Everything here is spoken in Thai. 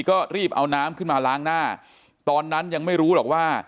ก็รีบเอาน้ำขึ้นมาล้างหน้าตอนนั้นยังไม่รู้หรอกว่า